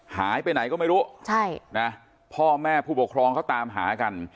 หายไปไหนก็ไม่รู้ใช่นะพ่อแม่ผู้ปกครองเขาตามหากัน